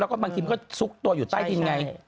แล้วก็บางทีมันก็ซุกตัวอยู่ใต้ดินไง